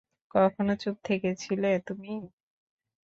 কখনো চুপ থেকেছিলে তুমি?